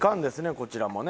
こちらもね。